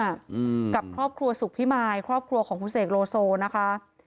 อืมกับครอบครัวสุขพิมายครอบครัวของคุณเสกโลโซนะคะ